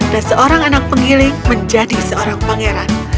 dan seorang anak penghiling menjadi seorang pangeran